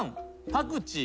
パクチー。